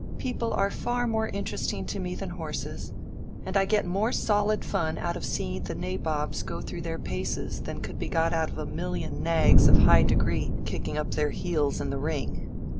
People are far more interesting to me than horses, and I get more solid fun out of seeing the nabobs go through their paces than could be got out of a million nags of high degree kicking up their heels in the ring.